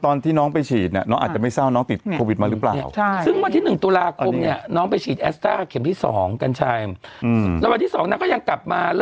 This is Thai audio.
ตอนที่น้องไปฉีดน้องอาจไม่เศร้าน้องติดโควิดมาหรือเปล่า